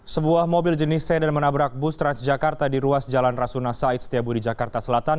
sebuah mobil jenis sedan menabrak bus transjakarta di ruas jalan rasuna said setiabudi jakarta selatan